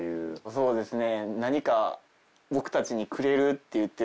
そうですよね。